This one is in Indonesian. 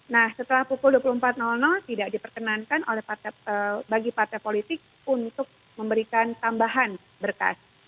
nah setelah pukul dua puluh empat tidak diperkenankan bagi partai politik untuk memberikan tambahan berkas